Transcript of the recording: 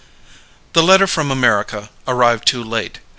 _ The letter from America arrived too late.